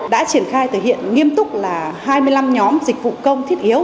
đã triển khai thực hiện nghiêm túc là hai mươi năm nhóm dịch vụ công thiết yếu